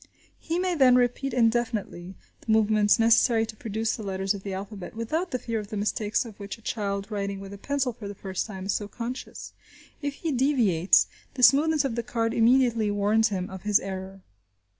He may then repeat indefinitely the movements necessary to produce the letters of the alphabet, without the fear of the mistakes of which a child writing with a pencil for the first time is so conscious. If he deviates, the smoothness of the card immediately warns him of his error.